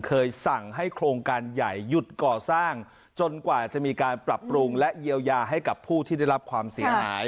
สั่งให้โครงการใหญ่หยุดก่อสร้างจนกว่าจะมีการปรับปรุงและเยียวยาให้กับผู้ที่ได้รับความเสียหาย